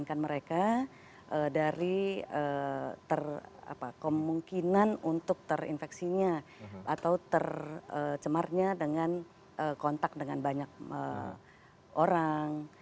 karena dari kemungkinan untuk terinfeksinya atau tercemarnya dengan kontak dengan banyak orang